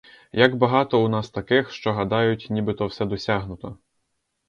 Як багато у нас таких, що гадають, нібито все досягнуто.